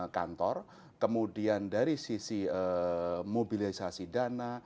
kantor kemudian dari sisi mobilisasi dana